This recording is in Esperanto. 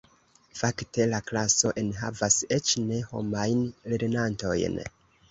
Fakte, la klaso enhavas eĉ ne-homajn lernantojn.